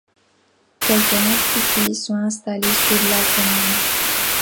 Quelques entreprises sont installées sur la commune.